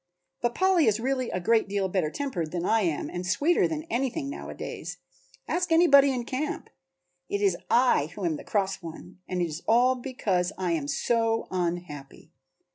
But Polly is really a great deal better tempered than I am and sweeter than anything nowadays; ask anybody in camp. It is I who am the cross one. And it is all because I am so unhappy."